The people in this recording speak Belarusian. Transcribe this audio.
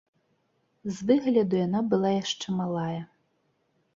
З выгляду яна была яшчэ малая.